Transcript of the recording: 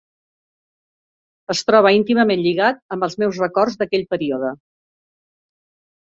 Es troba íntimament lligat amb els meus records d'aquell període